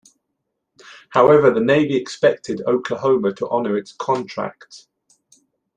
However, the Navy expected Oklahoma to honor its contract.